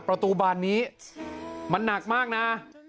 ประตูบานนี้มันหนักมากนะ